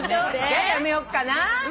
じゃあやめよっかな。